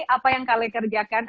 apa yang kale kerjakan